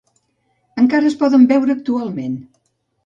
Encara es poden veure actualment.